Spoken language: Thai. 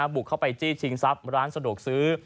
บุกเข้าไปจี้ชิงทรัพย์ร้านสะดวกซื้อ